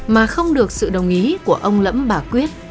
mà không được sự đồng ý của ông lẫm bà quyết